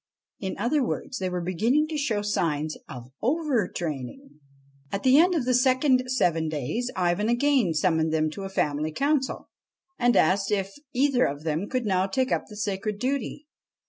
In other words, they were beginning to show signs of over training. At the end of the second seven days Ivan again summoned them to a family council, and asked them if either of them could now take up the sacred duty.